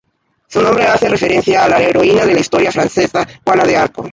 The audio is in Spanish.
Su nombre hace referencia a la heroína de la historia francesa Juana de Arco.